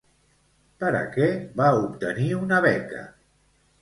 Per a què va obtenir una beca?